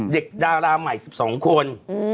เด็กดาราใหม่๑๒คน